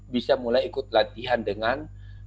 bisa mulai ikut latihan dengan